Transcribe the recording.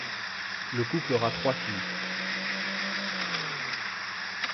Le couple aura trois filles.